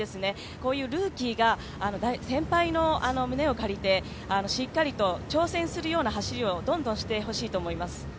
こういうルーキーが先輩の胸を借りてしっかりと挑戦するような走りをどんどんしてほしいと思います。